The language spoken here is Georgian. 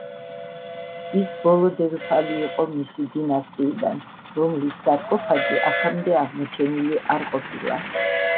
ის ბოლო დედოფალი იყო მისი დინასტიიდან, რომლის სარკოფაგი აქამდე აღმოჩენილი არ ყოფილა.